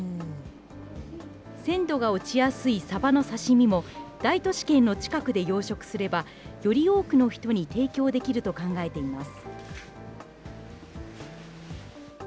鮮度が落ちやすいサバの刺身も、大都市圏の近くで養殖すれば、より多くの人に提供できると考えています。